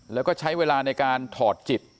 แล้วก็ใช้เวลาในการถอดจิต